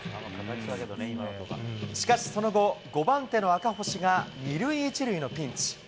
しかしその後、５番手の赤星が２塁１塁のピンチ。